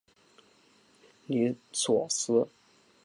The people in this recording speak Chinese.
尼索斯。